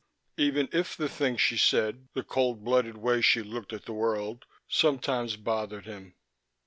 Even if the things she said, the cold blooded way she looked at the world, sometimes bothered him....